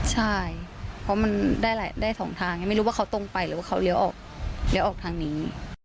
ใช่เพราะมันได้๒ทางไม่รู้ว่าเขาตรงไปหรือว่าเขาเลี้ยวออกเลี้ยวออกทางนี้